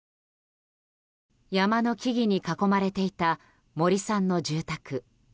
山の木々に囲まれていた森さんの住宅。